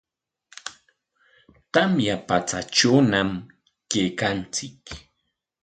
Tamya patsatrawñam kaykanchik.